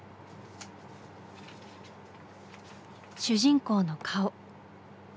主人公の顔。